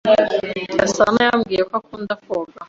Gasanayambwiye ko akunda koga.